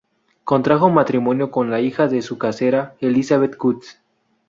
Contrajo matrimonio con la hija de su casera, Elizabeth Cutts.